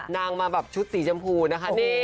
นางมาแบบชุดสีชมพูนะคะ